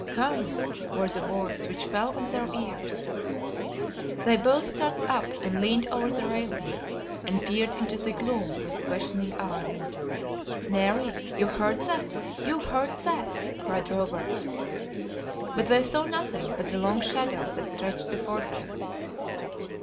come!" were the words which fell on their ears. They both started up and leaned over the railing, and peered into the gloom with questioning eyes. "Mary, you heard that? You heard that?" cried Robert. But they saw nothing but the long shadow that stretched before them.